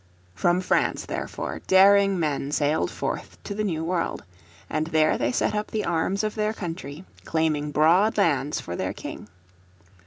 " From France, therefore, daring men sailed forth to the New World. And there they set up the arms of their country, claiming broad lands for their King.